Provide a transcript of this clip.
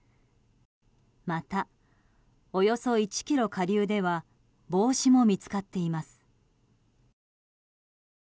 また、およそ１ｋｍ下流では帽子も見つかっています。